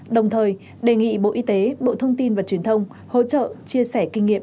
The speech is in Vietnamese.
đồng thời đề nghị bộ y tế bộ thông tin và truyền thông hỗ trợ chia sẻ kinh nghiệm